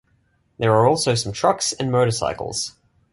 There are also some trucks and motorcycles.